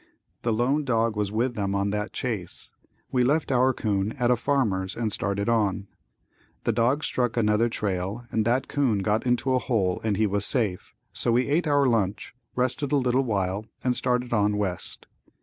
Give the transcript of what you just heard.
The lone dog was with them on that chase. We left our 'coon at a farmer's and started on. The dogs struck another trail and that 'coon got into a hole and he was safe, so we ate our lunch, rested a little while and started on west.